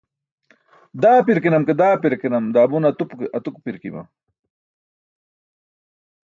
Daapirkanam ke daapirkanam daa be un atupirkaima.